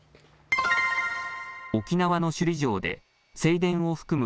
沖縄の首里城で正殿を含む